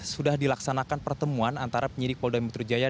sudah dilaksanakan pertemuan antara penyidik polda mitrujaya